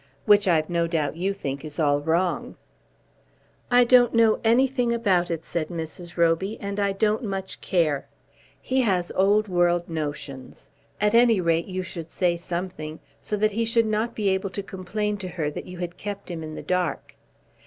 "Which I've no doubt you think is all wrong." "I don't know anything about it," said Mrs. Roby, "and I don't much care. He has old world notions. At any rate you should say something, so that he should not be able to complain to her that you had kept him in the dark.